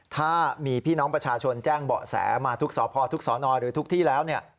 ถ้ามีพี่น้องประชาชนแจ้งเบาะแสมาทุกสพทุกสอนอหรือทุกที่แล้วเนี่ย